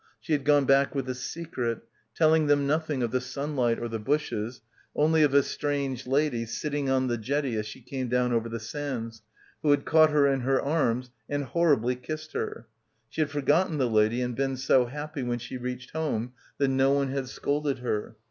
She had gone back with a secret, telling them nothing of the sun light or the bushes, only of a strange lady, sitting on the jetty as she came down over the sands, who caught her in her arms and horribly kissed her. She had forgotten the lady and been so happy when she reached home that no one had scolded her.